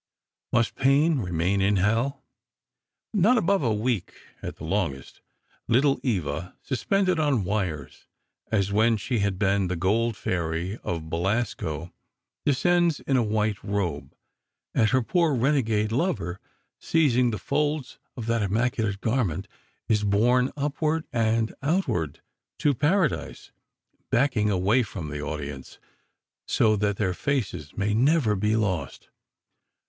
Must Payne remain in Hell? Not above a week, at the longest. "Little Eva," suspended on wires, as when she had been the Gold Fairy of Belasco, descends in a white robe, and her poor renegade lover, seizing the folds of that immaculate garment, is borne upward and outward to Paradise, backing away from the audience, so that their faces may never be lost.